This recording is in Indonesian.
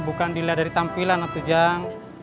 bukan dilihat dari tampilan lah tujang